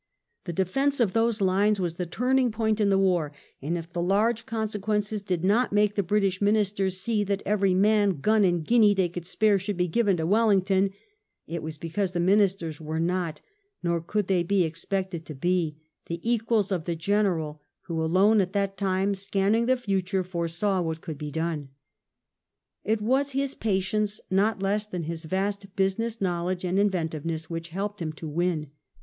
The defence of those Lines was the turning point in the war, and if the large consequences did not make the British Ministers see that every man, gun, and guinea they could spare should be given to Wellington it was because the Ministers were not, nor could they be expected to be, the equals of the General who alone at that time, scanning the future, foresaw what could be done. It was his patience, not less than his vast business knowledge and inventiveness, which helped him to win.